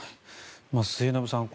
末延さん